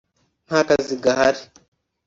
nta kazi gahari